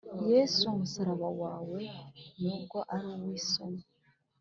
Yesu umusaraba wawe, Nubwo ari uw'isoni,